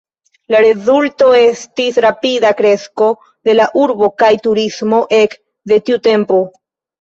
La rezulto estis rapida kresko de la urbo kaj turismo ek de tiu tempo.